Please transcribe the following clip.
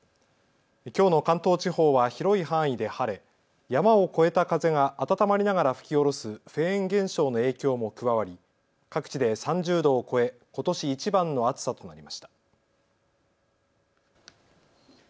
きょうの関東地方は広い範囲で晴れ、山を越えた風が暖まりながら吹き降ろすフェーン現象の影響も加わり各地で３０度を超え、ことしいちばんの暑さとなりました。